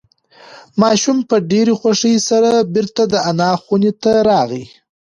ماشوم په ډېرې خوښۍ سره بیرته د انا خونې ته راغی.